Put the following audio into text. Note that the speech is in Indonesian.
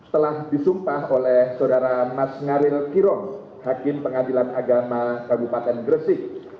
telah disumpah oleh saudara mas ngaril kirong hakim pengadilan agama kabupaten gresik